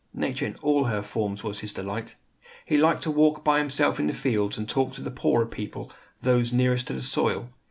Nature in all her forms was his delight. He liked to walk by himself in the fields, and to talk with the poorer people, those nearest to the soil.